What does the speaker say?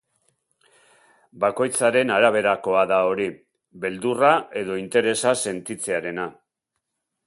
Bakoitzaren araberakoa da hori, beldurra edo interesa sentitzearena.